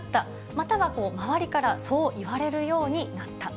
または、周りから、そう言われるようになった。